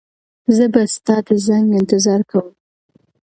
زه به ستا د زنګ انتظار کوم.